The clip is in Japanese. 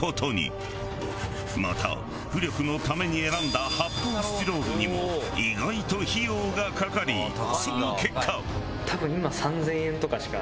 また浮力のために選んだ発泡スチロールにも意外と費用がかかりその結果。